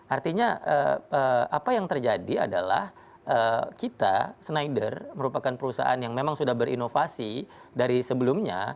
artinya apa yang terjadi adalah kita schneider merupakan perusahaan yang memang sudah berinovasi dari sebelumnya